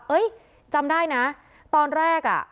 เฮ้ยจำได้นะตอนแรก